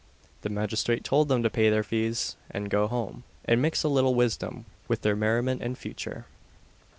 The magistrate told them to pay their fees, and go home, and mix a little wisdom with their merriment in future.